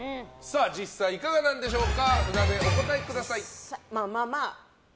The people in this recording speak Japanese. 実際いかがでしょうか。